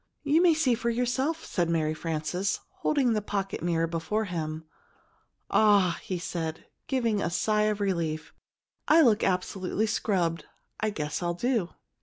"You may see for yourself," said Mary Frances, holding the pocket mirror before him. "Ah," he said, giving a sigh of relief. "I look absolutely scrubbed; I guess I'll do!"